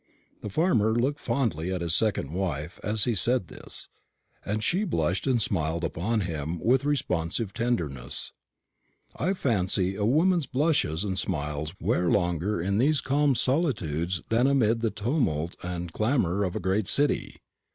The farmer looked fondly at his second wife as he said this, and she blushed and smiled upon him with responsive tenderness. I fancy a woman's blushes and smiles wear longer in these calm solitudes than amid the tumult and clamour of a great city.